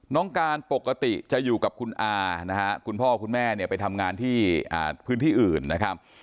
น้องการปกติจะอยู่กับคุณอานะฮะคุณพ่อคุณแม่เนี่ยไปทำงานที่พื้นที่อื่นนะครับ